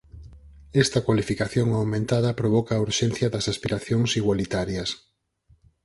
Esta cualificación aumentada provoca a urxencia das aspiracións igualitarias.